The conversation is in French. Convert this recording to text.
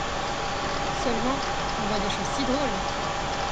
Seulement, on voit des choses si drôles.